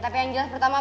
tapi yang jelas pertama